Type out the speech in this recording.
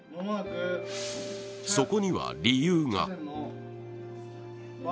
そこには理由が。